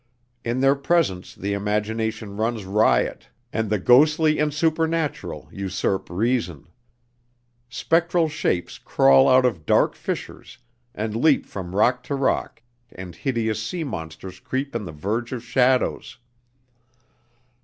In their presence the imagination runs riot and the ghostly and supernatural usurp reason. Spectral shapes crawl out of dark fissures and leap from rock to rock and hideous sea monsters creep in the verge of shadows.